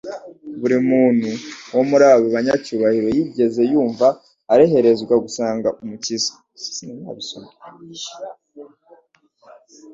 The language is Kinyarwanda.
Buri muntu wo muri abo banyacyubahiro yigeze yumva areherezwa gusanga Umukiza.